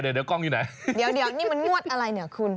เนี่ยนี่มันนวดอะไรเนี่ยคุณ